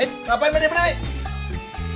eh ngapain berdiri berdiri